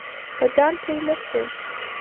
په ځان پوی نه شوم.